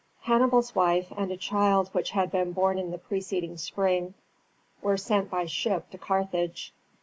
Hannibal's wife and a child which had been born in the preceding spring, were sent by ship to Carthage.